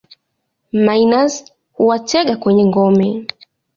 Minus huwatega kwenye ngome.